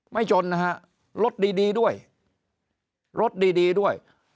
ไม่จนนะฮะรถดีด้วย